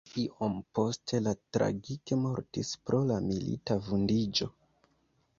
Iom poste li tragike mortis pro la milita vundiĝo.